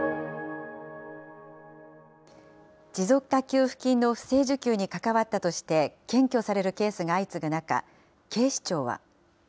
持続化給付金の不正受給に関わったとして、検挙されるケースが相次ぐ中、警視庁は。